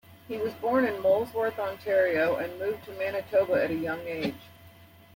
He was born in Molesworth, Ontario, and moved to Manitoba at a young age.